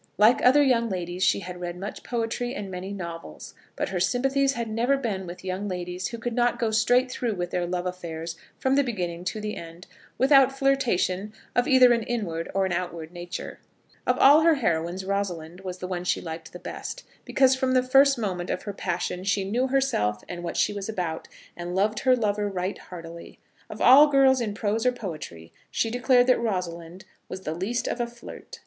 Like other young ladies she had read much poetry and many novels; but her sympathies had never been with young ladies who could not go straight through with their love affairs, from the beginning to the end, without flirtation of either an inward or an outward nature. Of all her heroines, Rosalind was the one she liked the best, because from the first moment of her passion she knew herself and what she was about, and loved her lover right heartily. Of all girls in prose or poetry she declared that Rosalind was the least of a flirt.